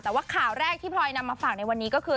แต่ว่าข่าวแรกที่พลอยนำมาฝากในวันนี้ก็คือ